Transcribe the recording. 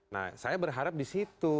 nah saya berharap di situ